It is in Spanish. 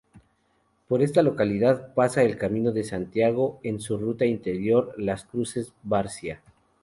Por esta localidad pasa el Camino de Santiago en su ruta interior Las Cruces-Barcia.